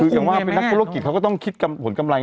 อย่างว่าถ้านักกฤษโรคหรือกีดเขาก็ต้องคิดคำพันธ์กำไร